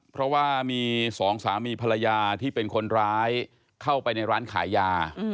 เพราะว่ามีสองสามีภรรยาที่เป็นคนร้ายเข้าไปในร้านขายยา